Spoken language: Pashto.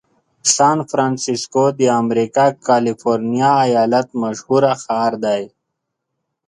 سان فرنسیسکو د امریکا کالفرنیا ایالت مشهوره ښار دی.